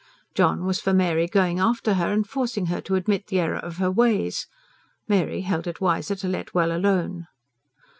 John was for Mary going after her and forcing her to admit the error of her ways. Mary held it wiser to let well alone.